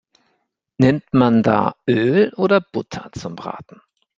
Nimmt man da Öl oder Butter zum Braten?